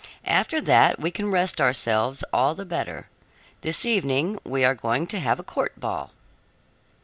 After that we can rest ourselves all the better. This evening we are going to have a court ball."